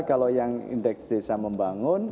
kalau yang indeks desa membangun